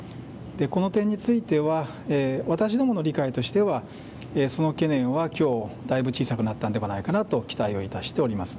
この点については私どもの理解としてはその懸念は、きょうだいぶ小さくなったのではないかと期待をしております。